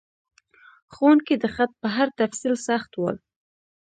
ښوونکي د خط په هر تفصیل سخت ول.